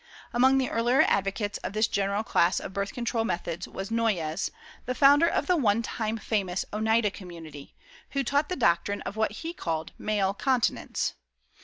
Among the earlier advocates of this general class of birth control methods was Noyes, the founder of the one time famous Oneida Community, who taught the doctrine of what he called "Male Continence."